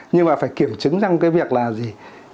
nhưng mà phải kiểm chứng rằng cái việc là gì